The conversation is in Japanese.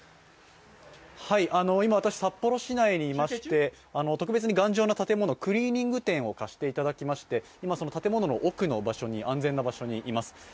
今、私札幌市内にいまして特別に頑丈な建物、クリーニング店を貸していただきまして今、その建物の奥の安全な場所にいます。